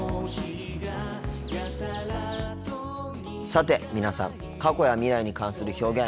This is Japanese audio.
さて皆さん過去や未来に関する表現